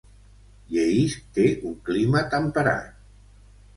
Yeysk té un clima temperat.